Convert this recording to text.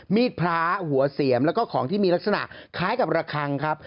มีดพระหัวเสียมแล้วก็ของที่มีลักษณะคล้ายกับระคังครับ